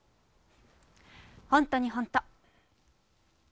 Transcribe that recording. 本当に本当。